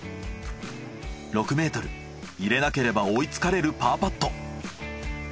６ｍ入れなければ追いつかれるパーパット。